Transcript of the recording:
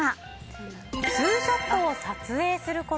ツーショットを撮影すること。